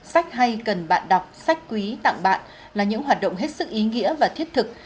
sách hay cần bạn đọc sách quý tặng bạn là những hoạt động hết sức ý nghĩa và thiết thực